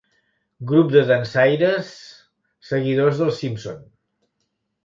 Grup de dansaires seguidors dels Simpson.